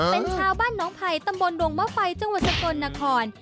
เป็นชาวบ้านน้องไผ่ตำบลดวงมะไฟจังหวัดสกลนคร